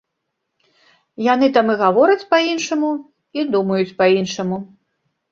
Яны там і гавораць па-іншаму, і думаюць па-іншаму.